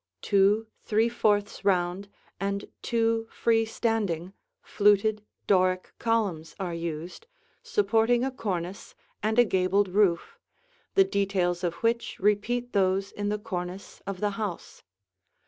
Two three fourths round and two free standing, fluted, Doric columns are used, supporting a cornice and a gabled roof, the details of which repeat those in the cornice of the house.